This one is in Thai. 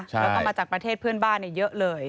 แล้วก็มาจากประเทศเพื่อนบ้านเยอะเลย